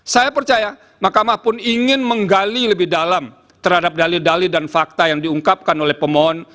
saya percaya mahkamah pun ingin menggali lebih dalam terhadap dalil dali dan fakta yang diungkapkan oleh pemohon